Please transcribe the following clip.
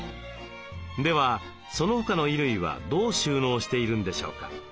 ではその他の衣類はどう収納しているんでしょうか？